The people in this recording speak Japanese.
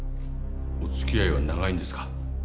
お付き合いは長いんですか？